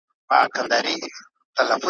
ننګیالیه پورته لمر سو